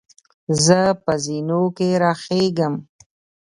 زۀ په زینو کې راخېږم.